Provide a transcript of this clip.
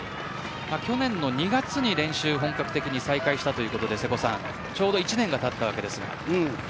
去年の２月に本格的に練習を再開したということでちょうど１年がたったわけです。